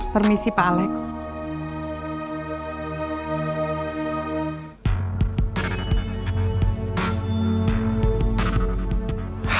permisi pak alex